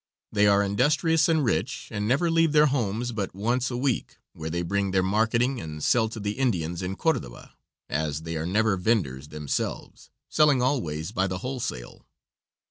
They are industrious and rich, and never leave their homes but once a week, where they bring their marketing and sell to the Indians in Cordoba, as they are never venders themselves, selling always by the wholesale.